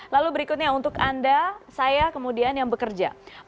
lalu berikutnya untuk anda saya kemudian yang bekerja